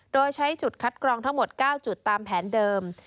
โดยใช้จุดคัดกรองทั้งหมด๙จุดตามแผนเดิม